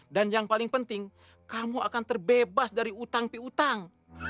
dan yang paling penting kamu akan terbebas dari utang piutang